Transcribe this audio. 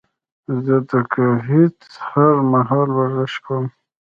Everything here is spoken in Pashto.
زه د ګهيځ هر مهال ورزش کوم